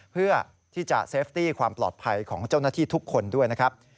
เพื่อที่จะเซฟตี้ความปลอดภัยของเจ้าหน้าที่ทุกคนด้วยนะครับ